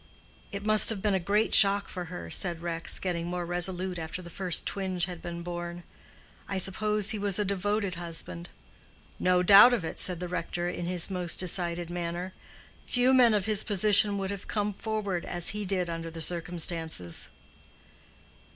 "It must have been a great shock for her," said Rex, getting more resolute after the first twinge had been borne. "I suppose he was a devoted husband." "No doubt of it," said the rector, in his most decided manner. "Few men of his position would have come forward as he did under the circumstances."